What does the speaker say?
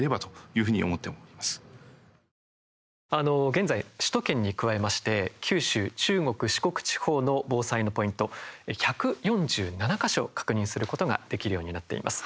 現在首都圏に加えまして九州、中国・四国地方の防災のポイント、１４７か所確認することができるようになっています。